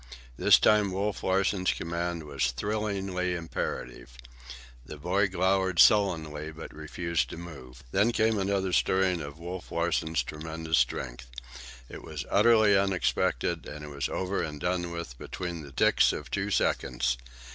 This time Wolf Larsen's command was thrillingly imperative. The boy glowered sullenly, but refused to move. Then came another stirring of Wolf Larsen's tremendous strength. It was utterly unexpected, and it was over and done with between the ticks of two seconds.